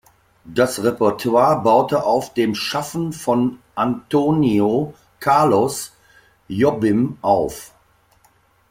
Das Repertoire baute auf dem Schaffen von Antônio Carlos Jobim auf.